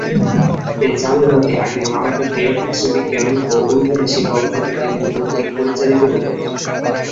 এই জাদুঘরটি আগে মালদ্বীপের ভাষাবিজ্ঞান ও ঐতিহাসিক গবেষণা কেন্দ্র কর্তৃক পরিচালিত হতো।